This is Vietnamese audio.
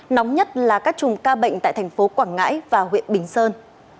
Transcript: nóng nhất là các chùm ca bệnh tại thành phố quảng ngãi và huyện bình sơn